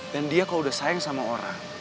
dan dia kalo udah sayang sama orang